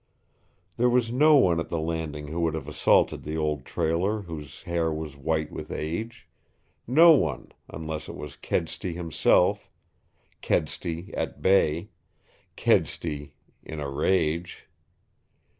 There was no one at the Landing who would have assaulted the old trailer, whose hair was white with age. No one, unless it was Kedsty himself Kedsty at bay, Kedsty in a rage.